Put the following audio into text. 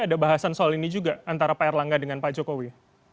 ada bahasan soal ini juga antara pak erlangga dengan pak jokowi